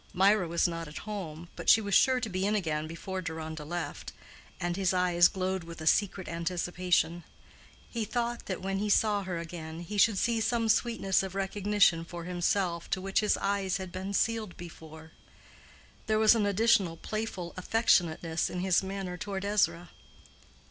Mirah was not at home, but she was sure to be in again before Deronda left, and his eyes glowed with a secret anticipation: he thought that when he saw her again he should see some sweetness of recognition for himself to which his eyes had been sealed before. There was an additional playful affectionateness in his manner toward Ezra.